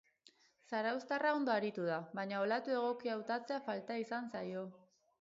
Zarauztarra ondo aritu da, baina olatu egokia hautatzea falta izan zaio.